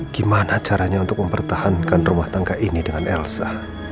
gimana caranya untuk mempertahankan rumah tangga ini dengan elsa